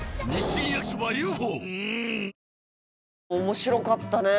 面白かったね。